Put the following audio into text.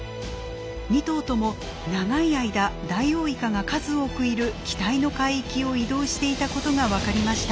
２頭とも長い間ダイオウイカが数多くいる期待の海域を移動していたことが分かりました。